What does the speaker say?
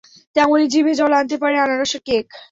তেমনই জিভে জল আনতে পারে আনারসের কেক।